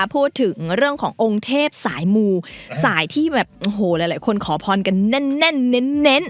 พูดถึงเรื่องขององค์เทพสายมูสายที่แบบโอ้โหหลายคนขอพรกันแน่นเน้น